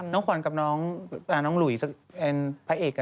น้องขวัญกับน้องหลุยสักพระเอก